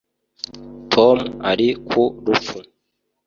tom ari ku rupfu